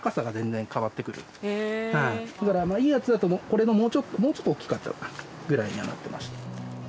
いいやつだとこれのもうちょっともうちょっと大きかったかなぐらいにはなってました。